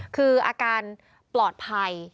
คืออาการปลอดภัย